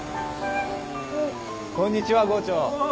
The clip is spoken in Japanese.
こんにちは郷長。